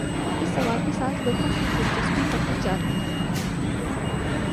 اس سوال کے ساتھ لوگوں کی دلچسپی بڑھتی جا رہی ہے۔